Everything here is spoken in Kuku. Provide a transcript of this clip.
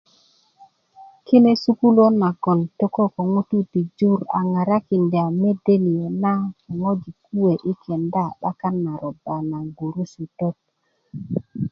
kine sukuluwöt nagon tökö ko ŋutuu ti jur a ŋarakinda mede niyo' na yi ŋojik kuwe yi kenda 'bakan na roba na gurusutöt